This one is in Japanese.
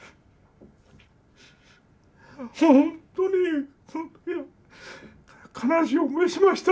本当に本当に悲しい思いしました。